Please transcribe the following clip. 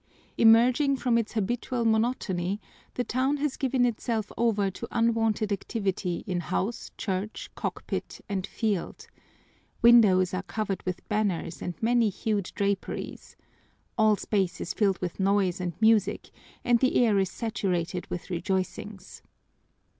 Emerging from its habitual monotony, the town has given itself over to unwonted activity in house, church, cockpit, and field. Windows are covered with banners and many hued draperies. All space is filled with noise and music, and the air is saturated with rejoicings.